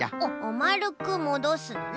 まるくもどすのね。